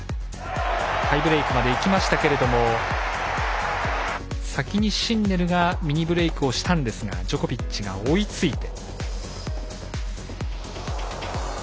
タイブレークまでいきましたけれども先にシンネルがミニブレークをしたんですがジョコビッチが追いついて。